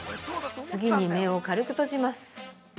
次に、目を軽く閉じます。